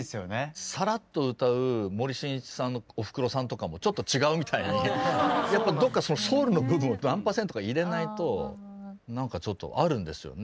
さらっと歌う森進一さんの「おふくろさん」とかもちょっと違うみたいにどっかソウルの部分を何パーセントか入れないと何かちょっとあるんですよね。